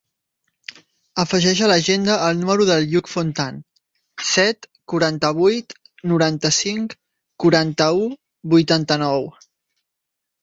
Afegeix a l'agenda el número del Lluc Fontan: set, quaranta-vuit, noranta-cinc, quaranta-u, vuitanta-nou.